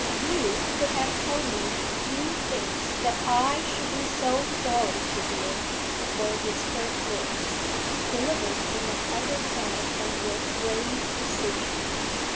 'You could have told me few things that I should be so sorry to hear,' were his first words, delivered in an undertone and with grave precision.